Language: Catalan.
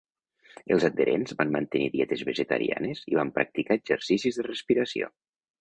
Els adherents van mantenir dietes vegetarianes i van practicar exercicis de respiració.